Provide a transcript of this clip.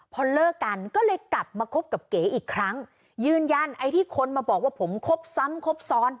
พอเลิกกันก็เลยกลับมาคบกับเก๋อีกครั้งยืนยันไอ้ที่คนมาบอกว่าผมคบซ้ำครบซ้อน